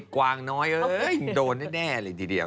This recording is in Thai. กวางน้อยเอ้ยโดนแน่เลยทีเดียว